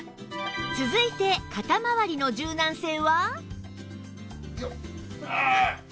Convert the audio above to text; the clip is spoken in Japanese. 続いて肩まわりの柔軟性は